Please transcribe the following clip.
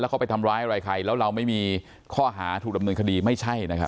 เขาไปทำร้ายอะไรใครแล้วเราไม่มีข้อหาถูกดำเนินคดีไม่ใช่นะครับ